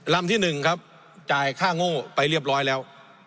ลำที่๑ครับจ่ายค่าโง่ไปเรียบร้อยแล้ว